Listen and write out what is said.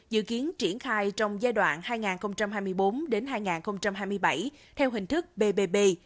dự kiến triển khai trong giai đoạn hai nghìn hai mươi bốn hai nghìn hai mươi bảy theo hình thức bbb